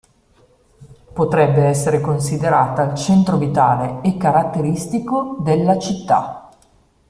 Potrebbe essere considerata il centro vitale e caratteristico della città.